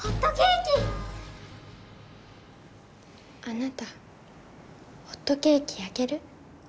あなたホットケーキやける？